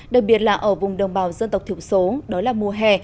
đặc biệt là ở vùng đồng bào dân tộc thiểu số đó là mùa hè